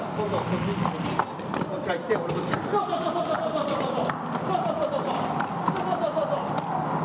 そうそうそうそう！